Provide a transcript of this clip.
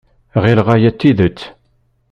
Ɣileɣ aya d tidet.